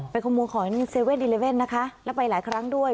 ขโมยของ๗๑๑นะคะแล้วไปหลายครั้งด้วย